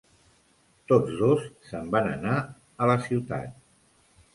Tots dos se"n van anar a la ciutat.